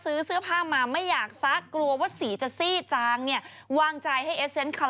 รู้สึกแบบเครียดจังค่ะอย่าลืมค่อย